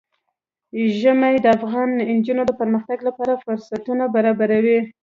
ژمی د افغان نجونو د پرمختګ لپاره فرصتونه برابروي.